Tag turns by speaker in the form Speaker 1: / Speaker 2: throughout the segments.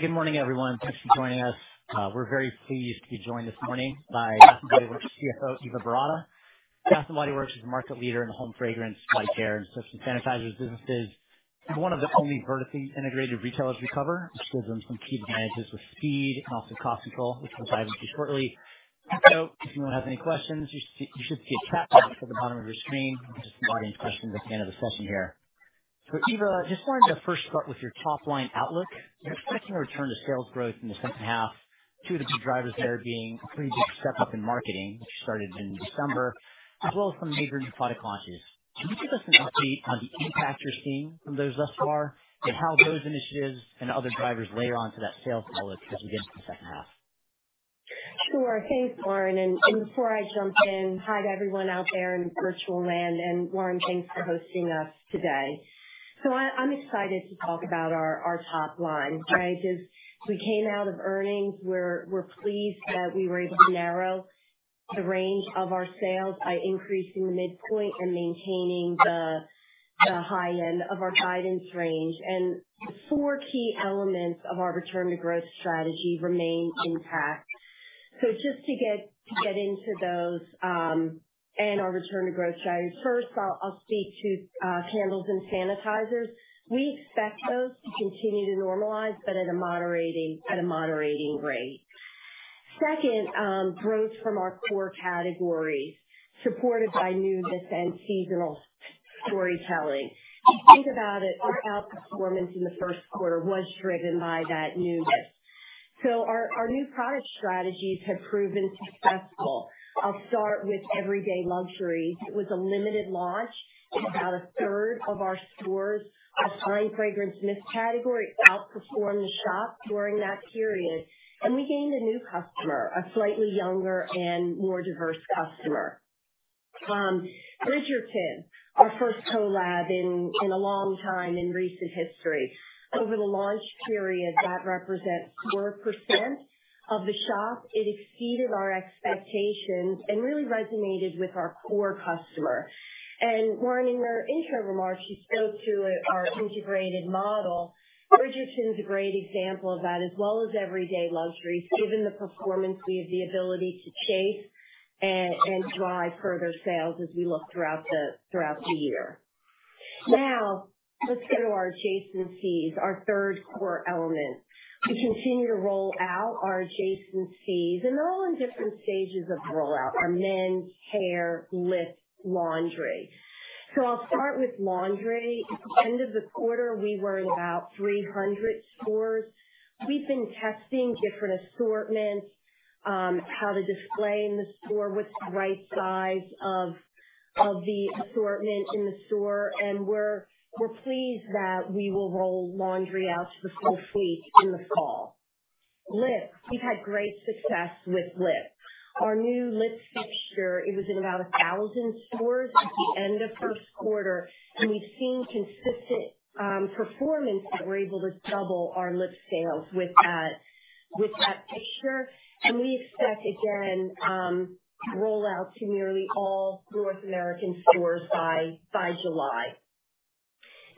Speaker 1: Hey, good morning, everyone. Thanks for joining us. We're very pleased to be joined this morning by Bath & Body Works CFO, Eva Boratto. Bath & Body Works is a market leader in home fragrance, body care, and soaps and sanitizers businesses. We're one of the only vertically integrated retailers we cover, which gives them some key advantages with speed and also cost control, which we'll dive into shortly. So if you don't have any questions, you should see a chat box at the bottom of your screen. You can just log in questions at the end of the session here. So, Eva, I just wanted to first start with your top-line outlook. You're expecting a return to sales growth in the second half, two of the big drivers there being a pretty big step up in marketing, which you started in December, as well as some major new product launches. Can you give us an update on the impact you're seeing from those thus far and how those initiatives and other drivers layer onto that sales outlook as we get into the second half?
Speaker 2: Sure. Thanks, Warren. And before I jump in, hi to everyone out there in virtual land. And Warren, thanks for hosting us today. So I'm excited to talk about our top line, right? As we came out of earnings, we're pleased that we were able to narrow the range of our sales by increasing the midpoint and maintaining the high end of our guidance range. And the four key elements of our return to growth strategy remain intact. So just to get into those, and our return to growth strategy, first, I'll speak to candles and sanitizers. We expect those to continue to normalize, but at a moderating rate. Second, growth from our core categories, supported by newness and seasonal storytelling. Think about it, our outperformance in the first quarter was driven by that newness. So our new product strategies have proven successful. I'll start with Everyday Luxuries. It was a limited launch. About a third of our stores assigned fragrance in this category outperformed the shops during that period. And we gained a new customer, a slightly younger and more diverse customer. Bridgerton, our first collab in a long time in recent history. Over the launch period, that represents 4% of the shop. It exceeded our expectations and really resonated with our core customer. And Warren, in your intro remarks, you spoke to our integrated model. Bridgerton's a great example of that, as well as Everyday Luxuries, given the performance we have, the ability to chase and drive further sales as we look throughout the year. Now, let's go to our adjacencies, our third core element. We continue to roll out our adjacencies, and they're all in different stages of rollout: our men's, hair, lip, laundry. So I'll start with laundry. At the end of the quarter, we were in about 300 stores. We've been testing different assortments, how to display in the store, what's the right size of the assortment in the store. And we're pleased that we will roll laundry out to the full fleet in the fall. Lip, we've had great success with lip. Our new lip fixture, it was in about 1,000 stores at the end of first quarter. And we've seen consistent performance that we're able to double our lip sales with that fixture. And we expect, again, rollout to nearly all North American stores by July.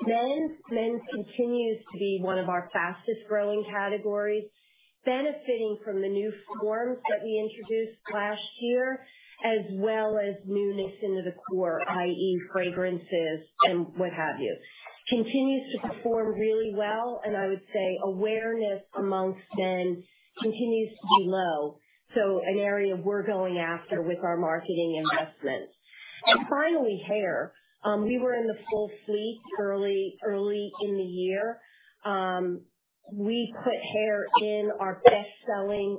Speaker 2: Men's continues to be one of our fastest-growing categories, benefiting from the new forms that we introduced last year, as well as newness into the core, i.e., fragrances and what have you. It continues to perform really well. I would say awareness among men continues to be low. So an area we're going after with our marketing investments. And finally, hair. We were in the full fleet early in the year. We put hair in our best-selling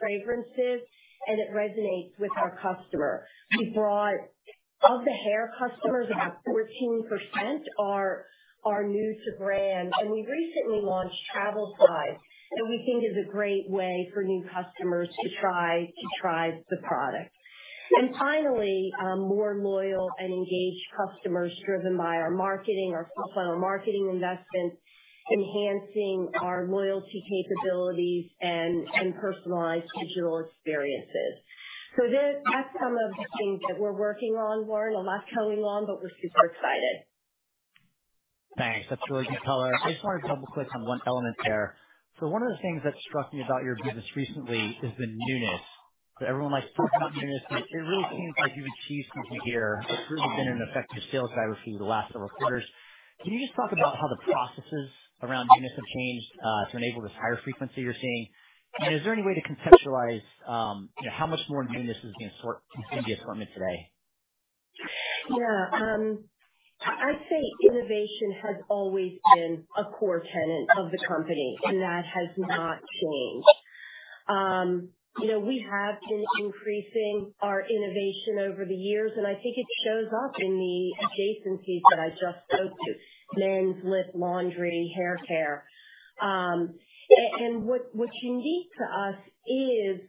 Speaker 2: fragrances, and it resonates with our customer. We brought, of the hair customers, about 14% are new to brand. And we recently launched travel size, and we think is a great way for new customers to try the product. And finally, more loyal and engaged customers driven by our marketing, our full-funnel marketing investment, enhancing our loyalty capabilities and personalized digital experiences. So there, that's some of the things that we're working on, Warren. A lot going on, but we're super excited.
Speaker 1: Thanks. That's really good color. I just wanted to double-click on one element there. One of the things that struck me about your business recently is the newness. Everyone likes talking about newness, and it really seems like you've achieved something here. It's really been an effective sales driver for you the last several quarters. Can you just talk about how the processes around newness have changed, to enable this higher frequency you're seeing? And is there any way to conceptualize, you know, how much more newness is being sort in the assortment today?
Speaker 2: Yeah. I'd say innovation has always been a core tenet of the company, and that has not changed. You know, we have been increasing our innovation over the years, and I think it shows up in the adjacencies that I just spoke to: men's, lip, laundry, haircare. And what's unique to us is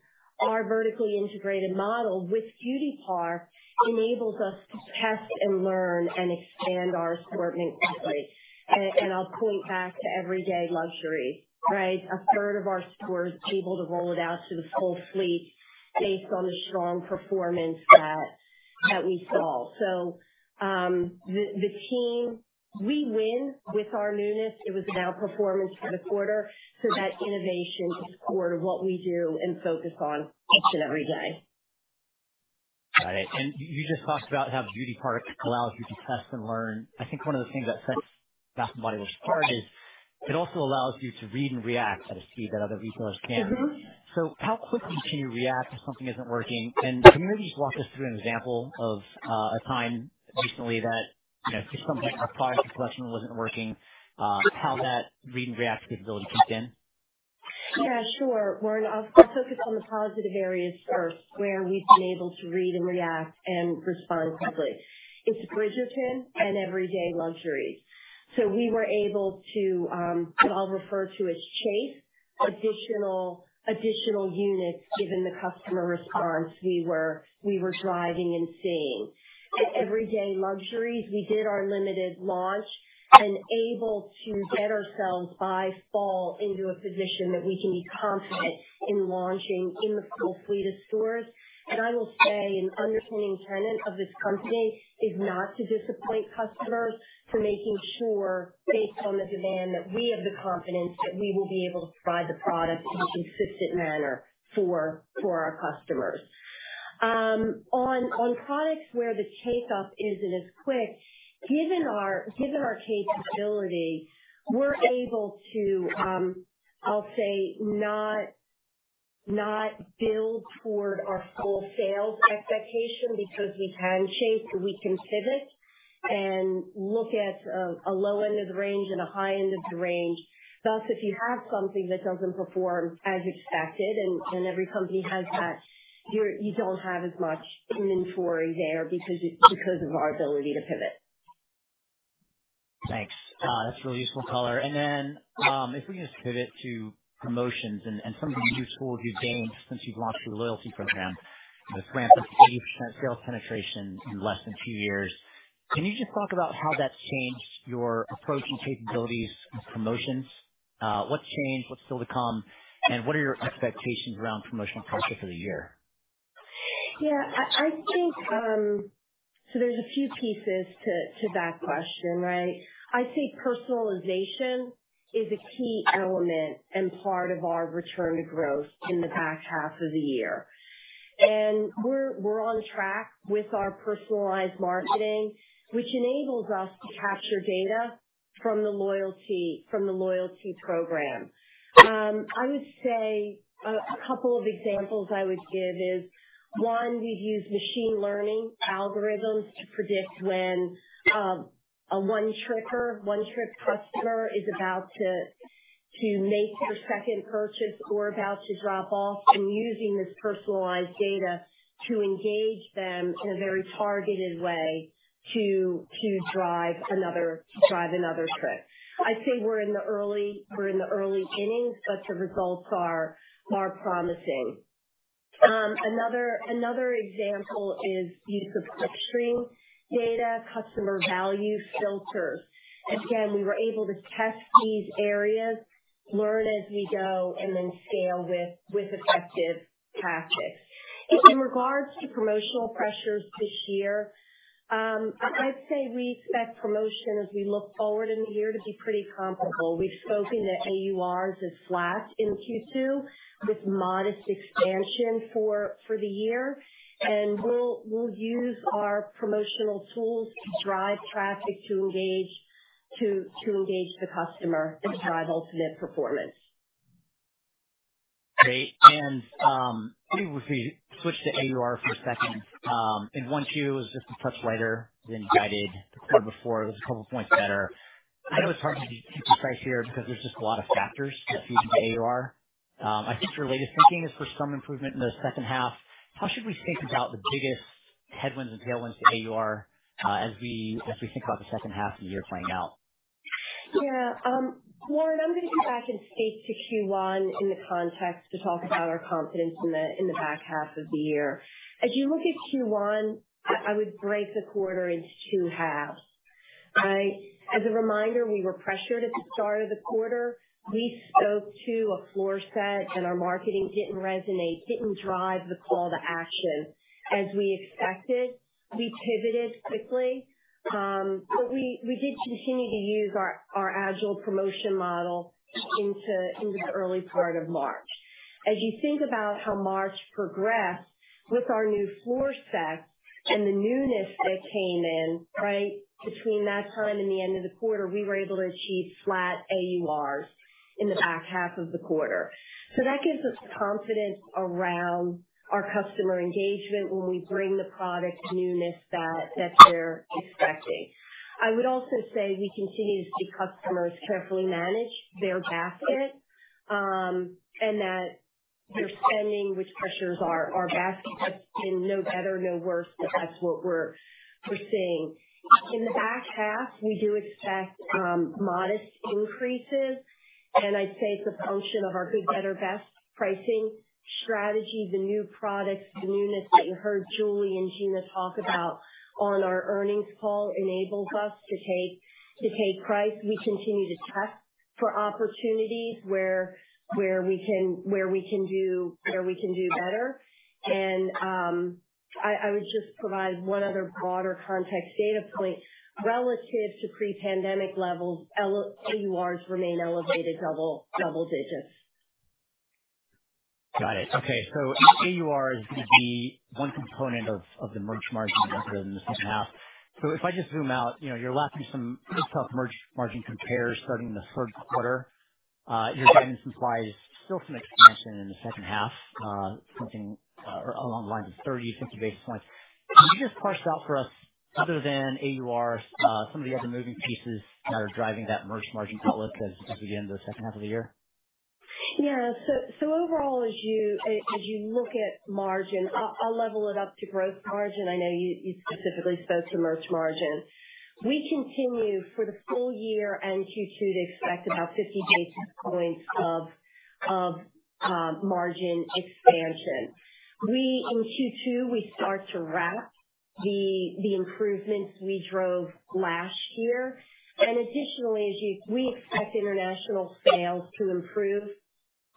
Speaker 2: our vertically integrated model with Beauty Park enables us to test and learn and expand our assortment quickly. And I'll point back to Everyday Luxuries, right? A third of our stores are able to roll it out to the full fleet based on the strong performance that we saw. So, the team we win with our newness. It was an outperformance for the quarter. So that innovation is core to what we do and focus on each and every day.
Speaker 1: Got it. And you just talked about how Beauty Park allows you to test and learn. I think one of the things that sets Bath & Body Works apart is it also allows you to read and react at a speed that other retailers can't.
Speaker 2: Mm-hmm.
Speaker 1: So how quickly can you react if something isn't working? And can you maybe just walk us through an example of a time recently that, you know, if something in your product or collection wasn't working, how that read and react capability kicked in?
Speaker 2: Yeah, sure. Warren, I'll, I'll focus on the positive areas first, where we've been able to read and react and respond quickly. It's Bridgerton and Everyday Luxuries. So we were able to, what I'll refer to as chase additional, additional units given the customer response we were, we were driving and seeing. At Everyday Luxuries, we did our limited launch and able to get ourselves by fall into a position that we can be confident in launching in the full fleet of stores. And I will say an underpinning tenet of this company is not to disappoint customers, to making sure, based on the demand, that we have the confidence that we will be able to provide the product in a consistent manner for, for our customers. On products where the takeoff isn't as quick, given our capability, we're able to, I'll say, not build toward our full sales expectation because we can pivot and look at a low end of the range and a high end of the range. Thus, if you have something that doesn't perform as expected, and every company has that, you don't have as much inventory there because it's because of our ability to pivot.
Speaker 1: Thanks. That's really useful color. And then, if we can just pivot to promotions and, and some of the new tools you've gained since you've launched your loyalty program, with ramp up to 80% sales penetration in less than two years, can you just talk about how that's changed your approach and capabilities with promotions? What's changed? What's still to come? And what are your expectations around promotional culture for the year?
Speaker 2: Yeah. I think, so there's a few pieces to that question, right? I think personalization is a key element and part of our return to growth in the back half of the year. And we're on track with our personalized marketing, which enables us to capture data from the loyalty program. I would say a couple of examples I would give is, one, we've used machine learning algorithms to predict when a one-tripper, one-trip customer is about to make their second purchase or about to drop off, and using this personalized data to engage them in a very targeted way to drive another trip. I'd say we're in the early innings, but the results are promising. Another example is use of clickstream data, customer value filters. Again, we were able to test these areas, learn as we go, and then scale with, with effective tactics. In regards to promotional pressures this year, I'd say we expect promotion, as we look forward in the year, to be pretty comparable. We've spoken that AURs have flat in Q2 with modest expansion for, for the year. And we'll, we'll use our promotional tools to drive traffic, to engage, to, to engage the customer and drive ultimate performance.
Speaker 1: Great. Let me briefly switch to AUR for a second. In 1Q, it was just a touch lighter than guided. The quarter before, it was a couple points better. I know it's hard to be too precise here because there's just a lot of factors that feed into AUR. I think your latest thinking is for some improvement in the second half. How should we think about the biggest headwinds and tailwinds to AUR, as we think about the second half of the year playing out?
Speaker 2: Yeah. Warren, I'm gonna go back and speak to Q1 in the context to talk about our confidence in the, in the back half of the year. As you look at Q1, I, I would break the quarter into two halves, right? As a reminder, we were pressured at the start of the quarter. We spoke to a floor set, and our marketing didn't resonate, didn't drive the call to action as we expected. We pivoted quickly. But we, we did continue to use our, our agile promotion model into, into the early part of March. As you think about how March progressed with our new floor set and the newness that came in, right, between that time and the end of the quarter, we were able to achieve flat AURs in the back half of the quarter. So that gives us confidence around our customer engagement when we bring the product newness that, that they're expecting. I would also say we continue to see customers carefully manage their basket, and that their spending, which pressures our, our basket, that's been no better, no worse, but that's what we're, we're seeing. In the back half, we do expect modest increases. And I'd say it's a function of our good, better, best pricing strategy. The new products, the newness that you heard Julie and Gina talk about on our earnings call enables us to take, to take price. We continue to test for opportunities where, where we can, where we can do, where we can do better. And, I, I would just provide one other broader context data point. Relative to pre-pandemic levels, AURs remain elevated, double, double digits.
Speaker 1: Got it. Okay. So AUR is gonna be one component of, of the merch margin in the second half. So if I just zoom out, you know, you're lapping some mid-teens merch margin comp starting in the third quarter. You're getting some supply, still some expansion in the second half, something along the lines of 30-50 basis points. Can you just parse out for us, other than AURs, some of the other moving pieces that are driving that merch margin outlook as, as we get into the second half of the year?
Speaker 2: Yeah. So overall, as you look at margin, I'll level it up to gross margin. I know you specifically spoke to merch margin. We continue, for the full year and Q2, to expect about 50 basis points of margin expansion. We, in Q2, we start to wrap the improvements we drove last year. And additionally, we expect international sales to improve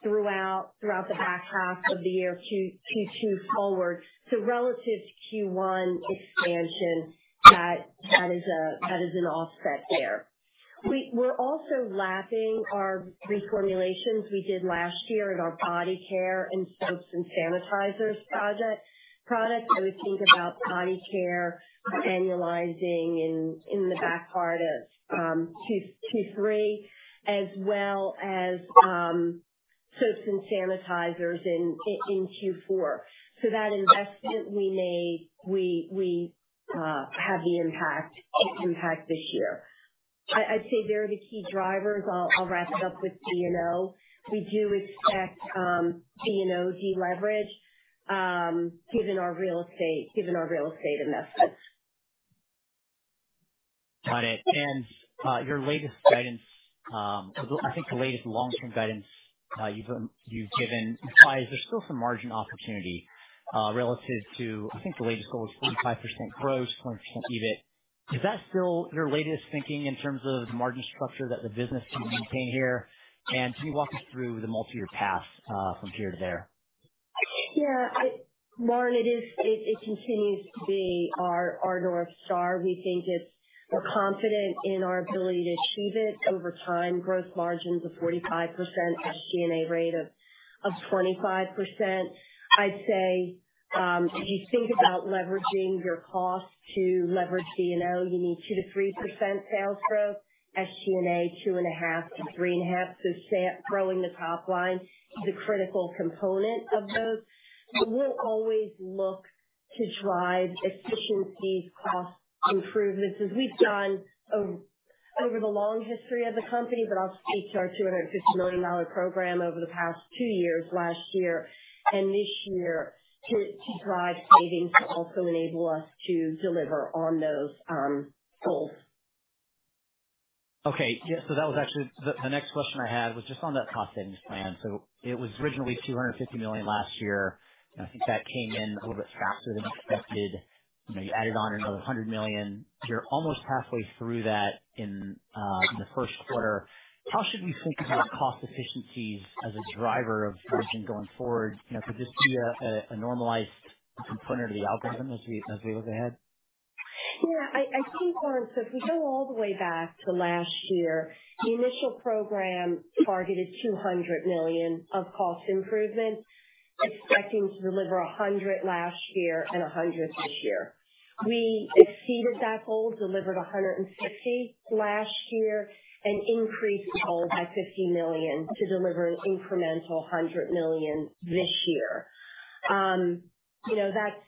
Speaker 2: throughout the back half of the year, Q2 forward. So relative to Q1 expansion, that is an offset there. We're also lapping our reformulations we did last year in our body care and soaps and sanitizers product. I would think about body care annualizing in the back part of Q3, as well as soaps and sanitizers in Q4. So that investment we made, we have the impact this year. I'd say they're the key drivers. I'll wrap it up with B&O. We do expect B&O deleverage, given our real estate investments.
Speaker 1: Got it. And your latest guidance, I think the latest long-term guidance you've given implies there's still some margin opportunity, relative to, I think the latest goal is 45% gross, 20% EBIT. Is that still your latest thinking in terms of the margin structure that the business can maintain here? And can you walk us through the multi-year path from here to there?
Speaker 2: Yeah. Warren, it continues to be our North Star. We think we're confident in our ability to achieve it over time. Gross margins of 45%, SG&A rate of 25%. I'd say, if you think about leveraging your cost to leverage B&O, you need 2%-3% sales growth, SG&A 2.5%-3.5%. So, growing the top line is a critical component of those. But we'll always look to drive efficiencies, cost improvements, as we've done over the long history of the company. But I'll speak to our $250 million program over the past two years, last year and this year, to drive savings, to also enable us to deliver on those goals.
Speaker 1: Okay. Yeah. So that was actually the next question I had was just on that cost savings plan. So it was originally $250 million last year. I think that came in a little bit faster than expected. You know, you added on another $100 million. You're almost halfway through that in the first quarter. How should we think about cost efficiencies as a driver of margin going forward? You know, could this be a normalized component of the algorithm as we look ahead?
Speaker 2: Yeah. I, I think, Warren, so if we go all the way back to last year, the initial program targeted $200 million of cost improvement, expecting to deliver $100 million last year and $100 million this year. We exceeded that goal, delivered $150 million last year, and increased the goal by $50 million to deliver an incremental $100 million this year. You know, that's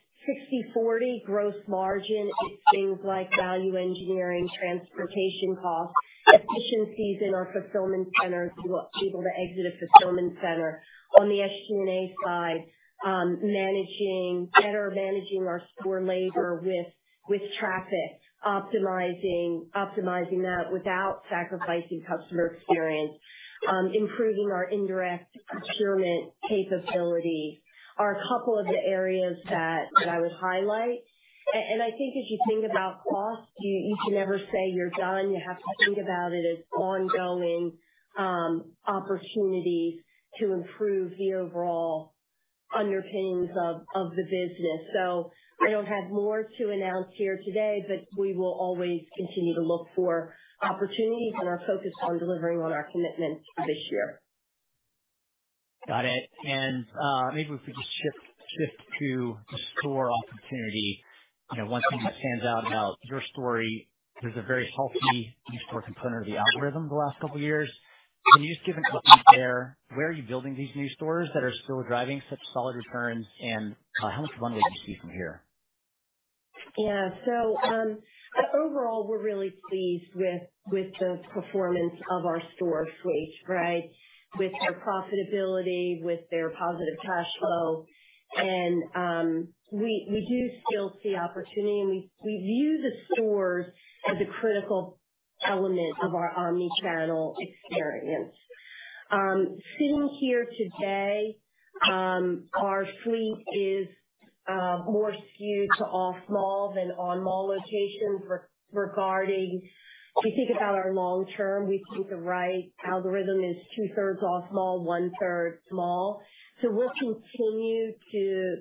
Speaker 2: 60/40 gross margin. It's things like value engineering, transportation costs, efficiencies in our fulfillment centers, be able to exit a fulfillment center. On the SG&A side, managing better, managing our store labor with, with traffic, optimizing, optimizing that without sacrificing customer experience, improving our indirect procurement capability are a couple of the areas that, that I would highlight. And, and I think as you think about cost, you, you can never say you're done. You have to think about it as ongoing opportunities to improve the overall underpinnings of the business. So I don't have more to announce here today, but we will always continue to look for opportunities and are focused on delivering on our commitment this year.
Speaker 1: Got it. And, maybe if we could just shift to the store opportunity, you know, one thing that stands out about your story, there's a very healthy new store component of the algorithm the last couple of years. Can you just give an update there? Where are you building these new stores that are still driving such solid returns? And, how much runway do you see from here? Yeah. So, but overall, we're really pleased with, with the performance of our store fleet, right, with their profitability, with their positive cash flow. And, we, we do still see opportunity, and we, we view the stores as a critical element of our omnichannel experience. Sitting here today, our fleet is more skewed to off-mall than on-mall locations. Regarding if you think about our long term, we think the right algorithm is two-thirds off-mall, one-third on-mall. So we'll continue to,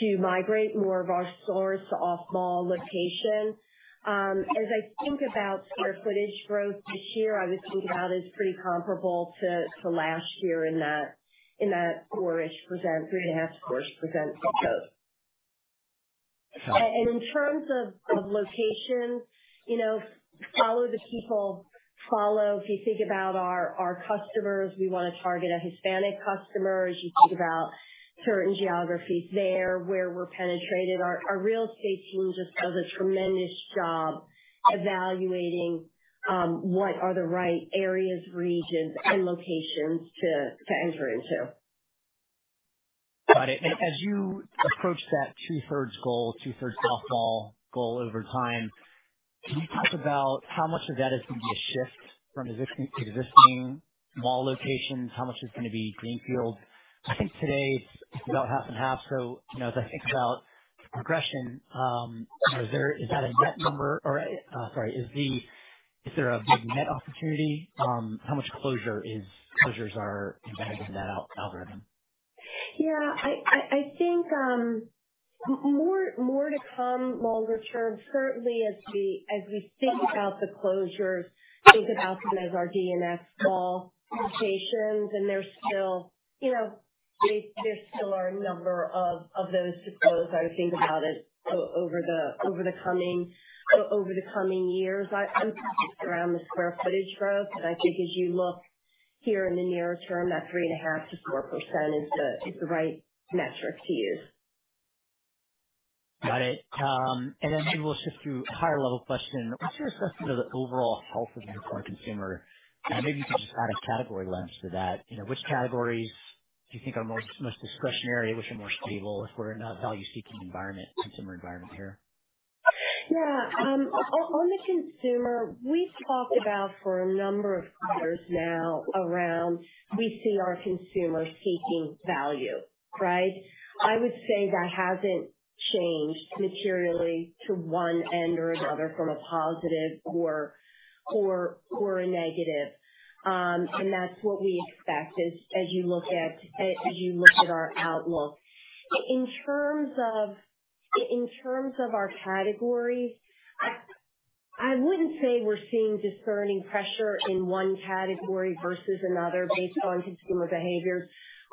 Speaker 1: to migrate more of our stores to off-mall locations. As I think about square footage growth this year, I would think about it as pretty comparable to, to last year in that 3.5%-4% growth. Okay.
Speaker 2: In terms of location, you know, follow the people, follow if you think about our customers, we wanna target a Hispanic customer. As you think about certain geographies there, where we're penetrated, our real estate team just does a tremendous job evaluating what are the right areas, regions, and locations to enter into.
Speaker 1: Got it. And as you approach that 2/3 goal, 2/3 off-mall goal over time, can you talk about how much of that is gonna be a shift from existing, existing mall locations? How much is gonna be Greenfield? I think today it's, it's about 50/50. So, you know, as I think about the progression, you know, is there, is that a net number or, sorry, is the, is there a big net opportunity? How much closure is, closures are embedded in that algorithm?
Speaker 2: Yeah. I think more to come longer term, certainly as we think about the closures, think about them as our DNS mall locations. And there's still, you know, there's still a number of those to close. I would think about it over the coming years. I'm focused around the square footage growth. But I think as you look here in the near term, that 3.5%-4% is the right metric to use.
Speaker 1: Got it. Then maybe we'll shift to a higher level question. What's your assessment of the overall health of your core consumer? Maybe you could just add a category lens to that. You know, which categories do you think are most, most discretionary? Which are more stable if we're in a value-seeking environment, consumer environment here?
Speaker 2: Yeah. On the consumer, we've talked about for a number of quarters now around we see our consumer seeking value, right? I would say that hasn't changed materially to one end or another from a positive or a negative. That's what we expect as you look at our outlook. In terms of our category, I wouldn't say we're seeing discerning pressure in one category versus another based on consumer behaviors.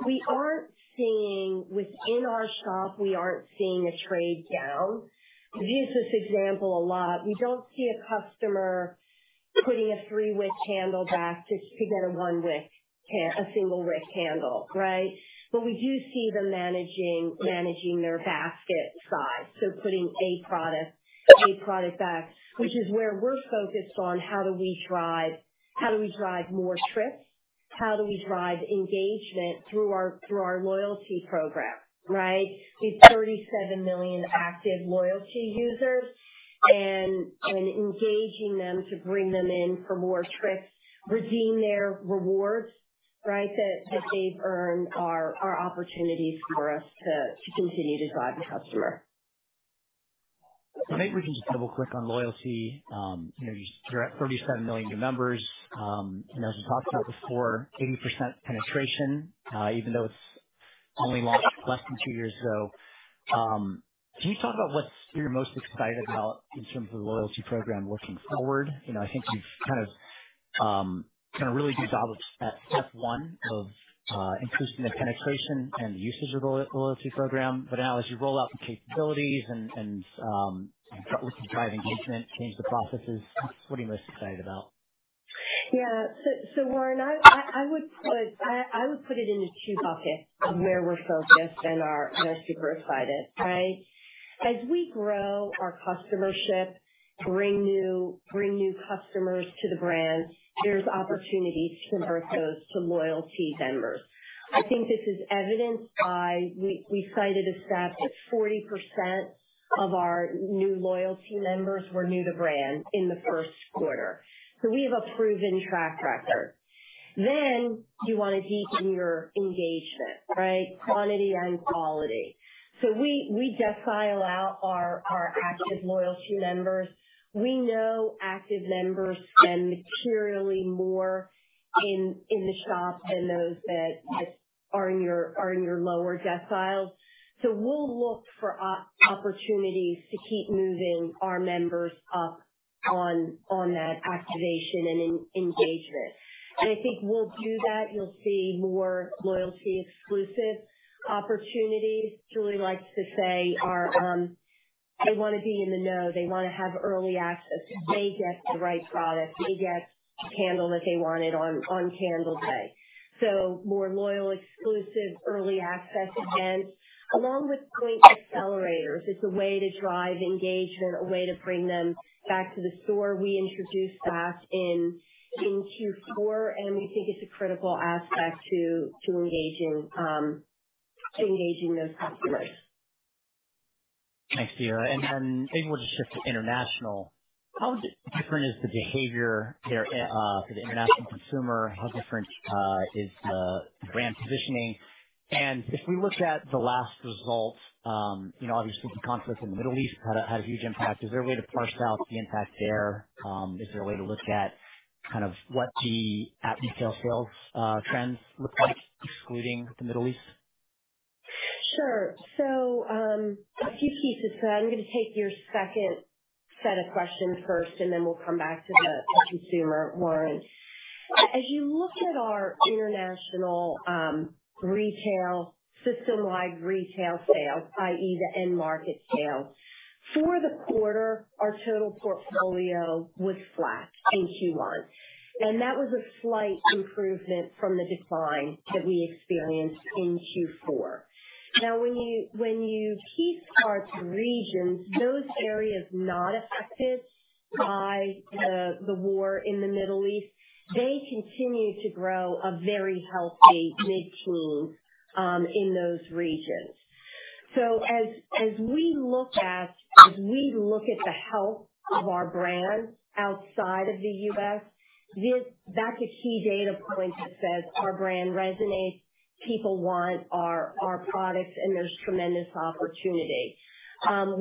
Speaker 2: We aren't seeing within our shop, we aren't seeing a trade down. I've used this example a lot. We don't see a customer putting a three-wick candle back just to get a one-wick, a single-wick candle, right? But we do see them managing their basket size. So putting a product back, which is where we're focused on how do we drive more trips, how do we drive engagement through our loyalty program, right? We have 37 million active loyalty users. Engaging them to bring them in for more trips, redeem their rewards, right, that they've earned are opportunities for us to continue to drive the customer.
Speaker 1: I think we can just double-click on loyalty. You know, you're at 37 million new members. And as we talked about before, 80% penetration, even though it's only launched less than two years ago. Can you talk about what you're most excited about in terms of the loyalty program looking forward? You know, I think you've kind of done a really good job of, at step one of, increasing the penetration and the usage of the loyalty program. But now as you roll out the capabilities and start looking to drive engagement, change the processes, what are you most excited about?
Speaker 2: Yeah. So, Warren, I would put it into two buckets of where we're focused and are super excited, right? As we grow our customership, bring new customers to the brand, there's opportunities to convert those to loyalty members. I think this is evidenced by we cited a stat that 40% of our new loyalty members were new to brand in the first quarter. So we have a proven track record. Then you wanna deepen your engagement, right? Quantity and quality. So we decile out our active loyalty members. We know active members spend materially more in the shop than those that are in your lower deciles. So we'll look for opportunities to keep moving our members up on that activation and engagement. And I think we'll do that. You'll see more loyalty exclusive opportunities. Julie likes to say our they wanna be in the know. They wanna have early access. They get the right product. They get the candle that they wanted on Candle Day. So more loyalty exclusive early access events along with point accelerators. It's a way to drive engagement, a way to bring them back to the store. We introduced that in Q4, and we think it's a critical aspect to engaging those customers.
Speaker 1: Thanks, Eva. And then maybe we'll just shift to international. How different is the behavior there at, for the international consumer? How different is the brand positioning? And if we look at the last results, you know, obviously the conflict in the Middle East had a huge impact. Is there a way to parse out the impact there? Is there a way to look at kind of what the at-retail sales trends look like excluding the Middle East?
Speaker 2: Sure. So, a few pieces. So I'm gonna take your second set of questions first, and then we'll come back to the, the consumer, Warren. As you look at our international, retail system-wide retail sales, i.e., the end market sales, for the quarter, our total portfolio was flat in Q1. And that was a slight improvement from the decline that we experienced in Q4. Now, when you, when you piece apart regions, those areas not affected by the, the war in the Middle East, they continue to grow a very healthy mid-teens, in those regions. So as, as we look at, as we look at the health of our brand outside of the U.S., that's a key data point that says our brand resonates, people want our, our products, and there's tremendous opportunity.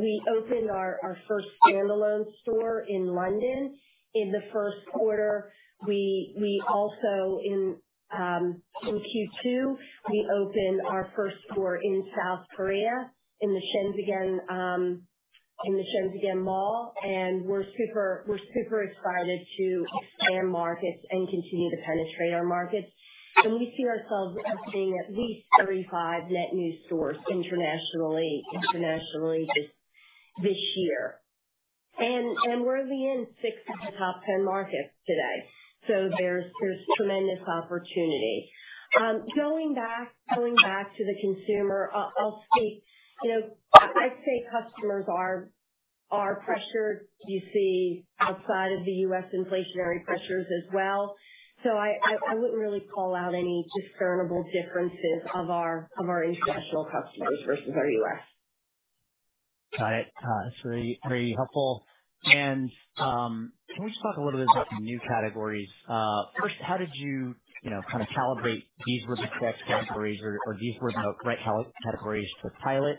Speaker 2: We opened our, our first standalone store in London in the first quarter. We also, in Q2, opened our first store in South Korea in the Shinsegae mall. And we're super excited to expand markets and continue to penetrate our markets. And we see ourselves opening at least 35 net new stores internationally this year. And we're in the index of the top 10 markets today. So there's tremendous opportunity. Going back to the consumer, I'll speak, you know, I'd say customers are pressured. You see outside of the U.S. inflationary pressures as well. So I wouldn't really call out any discernible differences of our international customers versus our U.S.
Speaker 1: Got it. That's very, very helpful. And, can we just talk a little bit about the new categories? First, how did you, you know, kind of calibrate these were the correct categories or, or these were the right categories to pilot?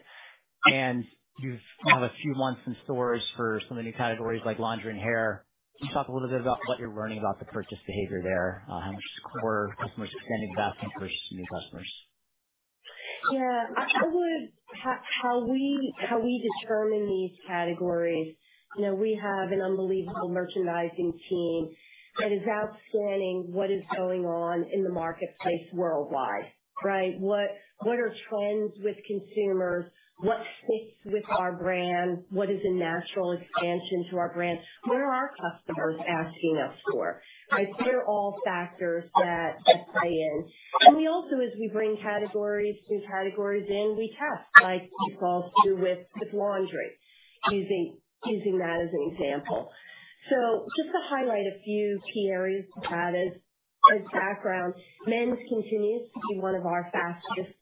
Speaker 1: And you've had a few months in stores for some of the new categories like laundry and hair. Can you talk a little bit about what you're learning about the purchase behavior there, how much the core customers are spending back versus new customers?
Speaker 2: Yeah. I'd say how we determine these categories, you know, we have an unbelievable merchandising team that is outstanding what is going on in the marketplace worldwide, right? What are trends with consumers? What fits with our brand? What is a natural expansion to our brand? What are our customers asking us for? Right? So there are all factors that play in. And we also, as we bring categories, new categories in, we test like we did with laundry, using that as an example. So just to highlight a few key areas of data as background, men's continues to be one of our fastest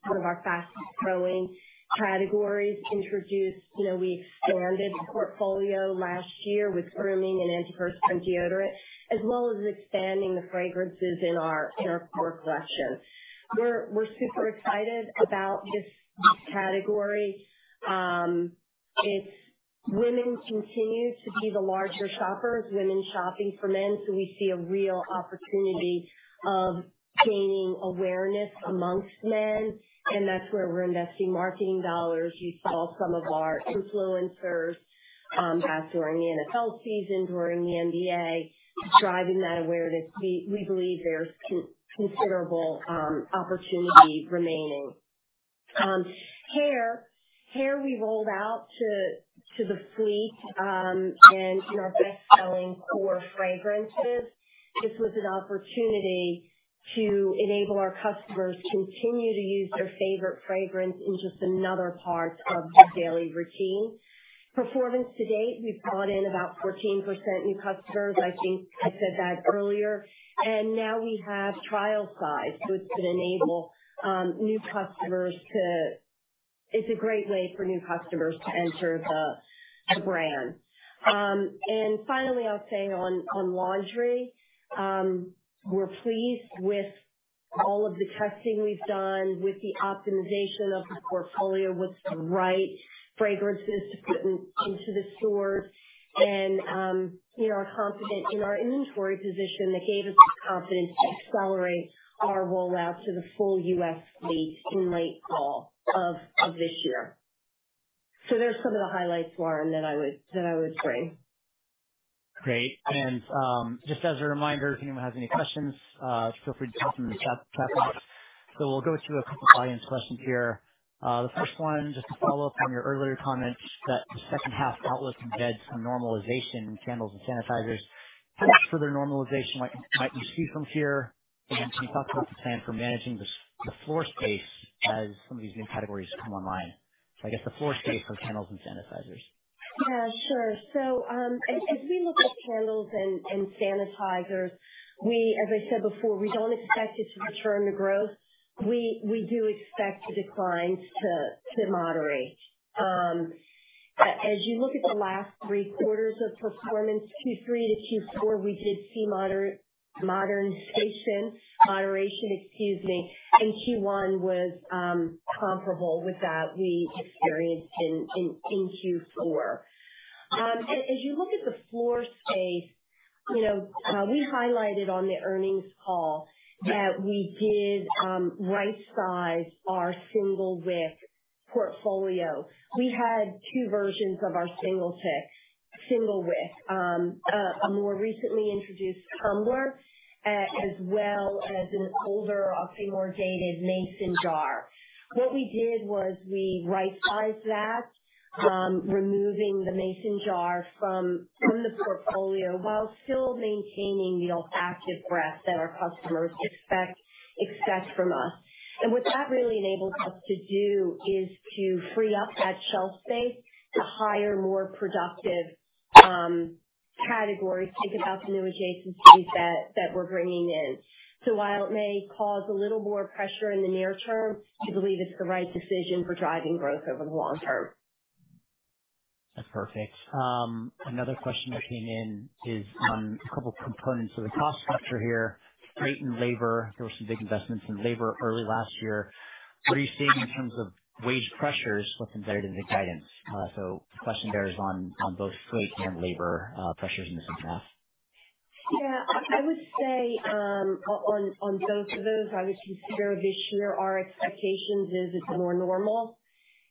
Speaker 2: growing categories introduced. You know, we expanded the portfolio last year with grooming and antiperspirant deodorant, as well as expanding the fragrances in our core collection. We're super excited about this category. It's women continue to be the larger shoppers, women shopping for men. So we see a real opportunity of gaining awareness among men. And that's where we're investing marketing dollars. You saw some of our influencers, back during the NFL season, during the NBA, driving that awareness. We believe there's considerable opportunity remaining. Hair we rolled out to the fleet, and in our best-selling core fragrances. This was an opportunity to enable our customers to continue to use their favorite fragrance in just another part of their daily routine. Performance to date, we've brought in about 14% new customers. I think I said that earlier. And now we have trial size. So it's been enabled new customers to, it's a great way for new customers to enter the brand. And finally, I'll say on laundry, we're pleased with all of the testing we've done with the optimization of the portfolio, what's the right fragrances to put into the stores. And, you know, we're confident in our inventory position that gave us the confidence to accelerate our rollout to the full U.S. fleet in late fall of this year. So there's some of the highlights, Warren, that I would bring.
Speaker 1: Great. And, just as a reminder, if anyone has any questions, feel free to type them in the chat, chat box. So we'll go to a couple of audience questions here. The first one, just to follow up on your earlier comment that the second half outlook embeds some normalization in candles and sanitizers. How much further normalization might you see from here? And can you talk about the plan for managing the floor space as some of these new categories come online? So I guess the floor space of candles and sanitizers.
Speaker 2: Yeah. Sure. So, as we look at candles and sanitizers, as I said before, we don't expect it to return to growth. We do expect the declines to moderate. As you look at the last three quarters of performance, Q3 to Q4, we did see moderation, excuse me. And Q1 was comparable with that we experienced in Q4. As you look at the floor space, you know, we highlighted on the earnings call that we did right-size our single-wick portfolio. We had two versions of our single-wick, a more recently introduced Tumbler, as well as an older, I'll say more dated Mason Jar. What we did was we right-sized that, removing the Mason Jar from the portfolio while still maintaining the active breadth that our customers expect from us. What that really enables us to do is to free up that shelf space to hire more productive categories. Think about the new adjacencies that we're bringing in. So while it may cause a little more pressure in the near term, we believe it's the right decision for driving growth over the long term.
Speaker 1: That's perfect. Another question that came in is on a couple of components of the cost structure here. Freight and labor, there were some big investments in labor early last year. What are you seeing in terms of wage pressures with embedded in the guidance? So the question there is on both freight and labor, pressures in the same path.
Speaker 2: Yeah. I would say, on both of those, I would consider this year our expectations is it's a more normal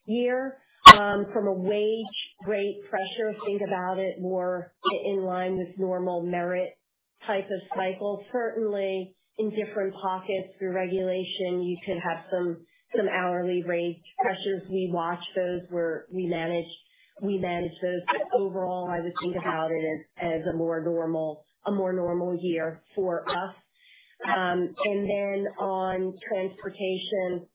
Speaker 2: year, from a wage rate pressure. Think about it more in line with normal merit type of cycle. Certainly, in different pockets through regulation, you could have some hourly rate pressures. We watch those where we manage those. But overall, I would think about it as a more normal year for us. And then on transportation,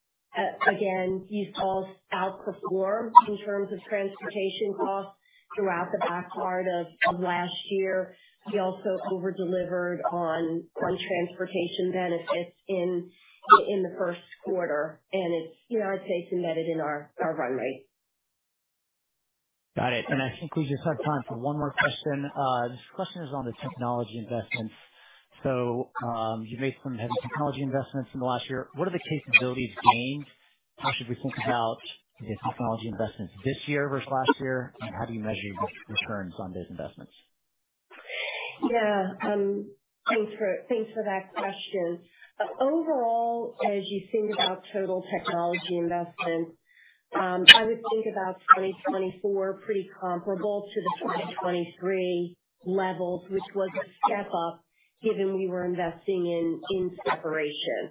Speaker 2: again, you saw outperform in terms of transportation costs throughout the back part of last year. We also overdelivered on transportation benefits in the first quarter. And it's, you know, I'd say it's embedded in our run rate.
Speaker 1: Got it. And I think we just have time for one more question. This question is on the technology investments. So, you've made some heavy technology investments in the last year. What are the capabilities gained? How should we think about the technology investments this year versus last year? And how do you measure your returns on those investments?
Speaker 2: Yeah. Thanks for, thanks for that question. Overall, as you think about total technology investment, I would think about 2024 pretty comparable to the 2023 levels, which was a step up given we were investing in, in separation.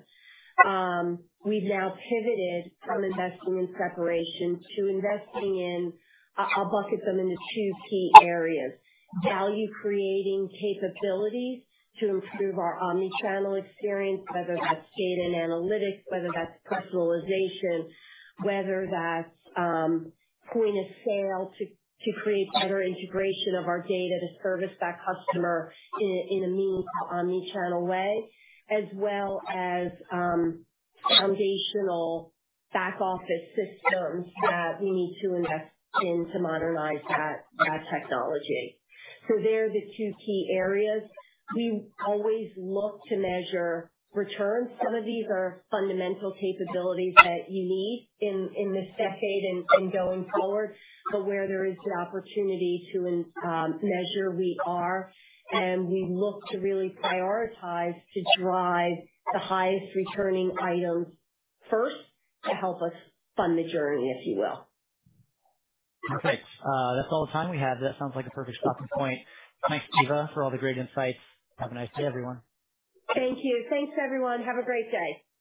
Speaker 2: We've now pivoted from investing in separation to investing in, I'll, I'll bucket them into two key areas: value-creating capabilities to improve our omnichannel experience, whether that's data and analytics, whether that's personalization, whether that's, point of sale to, to create better integration of our data to service that customer in a, in a meaningful omnichannel way, as well as, foundational back office systems that we need to invest in to modernize that, that technology. So they're the two key areas. We always look to measure returns. Some of these are fundamental capabilities that you need in, in this decade and, and going forward. But where there is the opportunity to measure, we are. We look to really prioritize to drive the highest returning items first to help us fund the journey, if you will.
Speaker 1: Perfect. That's all the time we have. That sounds like a perfect stopping point. Thanks, Eva, for all the great insights. Have a nice day, everyone.
Speaker 2: Thank you. Thanks, everyone. Have a great day.